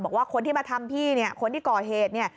บอกว่าคนที่มาทำพี่เนี่ยคนที่ก่อเทศเนี่ย